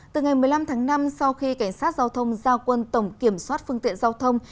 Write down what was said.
từ ngày một mươi năm tháng năm sau khi cảnh sát giao thông giao quân tổng kiểm soát phương tiện giao thông